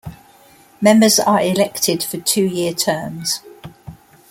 Members are elected for two-year terms.